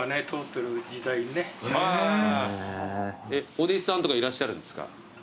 お弟子さんとかいらっしゃるんですか？